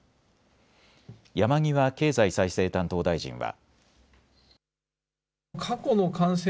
山際経済再生担当大臣は。